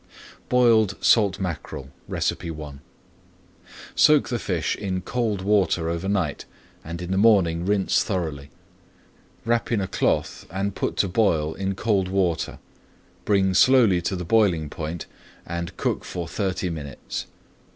BOILED SALT MACKEREL I Soak the fish in cold water over night and in the morning rinse thoroughly. Wrap in a cloth and put to boil in cold water. Bring slowly to the boiling point and cook for thirty minutes.